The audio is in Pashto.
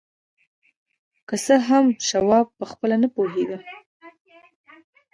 که څه هم شواب پخپله نه پوهېده